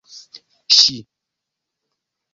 ŝi